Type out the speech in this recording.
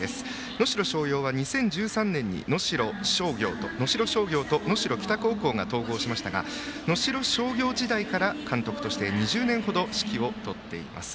能代松陽は２０１３年に能代商業と能代北高校が統合されましたが能代商業時代から監督として２０年程指揮を執っています。